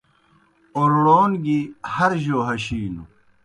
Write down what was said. اورڑون گیْ ہر جو ہشِینوْ۔